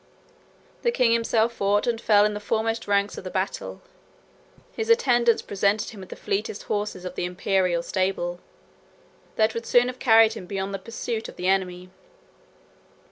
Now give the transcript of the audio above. The king himself fought and fell in the foremost ranks of the battle. His attendants presented him with the fleetest horses of the Imperial stable, that would soon have carried him beyond the pursuit of the enemy.